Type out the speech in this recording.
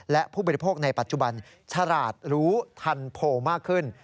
และผู้บริโภคในปัจจุบันฉลาดรู้ทันโพลมากขึ้น